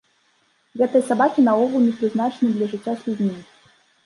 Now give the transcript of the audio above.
Гэтыя сабакі наогул не прызначаны для жыцця з людзьмі.